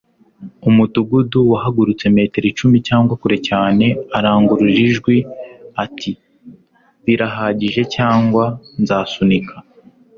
umudugudu wahagurutse metero icumi cyangwa kure cyane arangurura ijwi ati 'birahagije cyangwa nzasunika